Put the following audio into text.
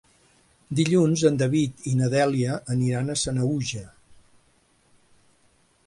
Dilluns en David i na Dèlia aniran a Sanaüja.